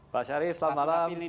bang syari selamat malam